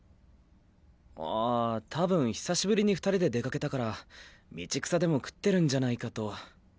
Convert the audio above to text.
あたぶん久しぶりに２人で出掛けたから道草でも食ってるんじゃないかと。